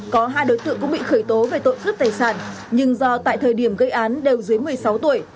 có hai đối tượng cũng bị khởi tố về tội cướp tài sản nhưng do tại thời điểm gây án đều dưới một mươi sáu tuổi